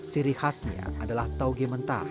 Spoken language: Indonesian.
ciri khasnya adalah tauge mentah